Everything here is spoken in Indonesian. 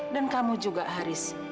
dan kamu juga haris